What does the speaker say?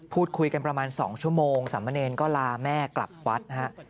พูดคุยกันประมาณ๒ชั่วโมงสามเณรก็ลาแม่กลับวัดฮะ